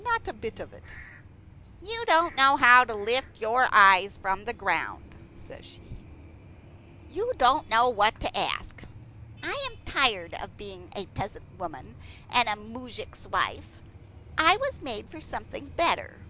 Not a bit of it. "You don't know how to lift your eyes from the ground," says she. "You don't know what to ask. I am tired of being a peasant woman and a moujik's wife. I was made for something better.